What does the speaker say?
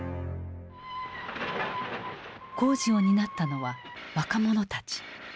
工事を担ったのは若者たち。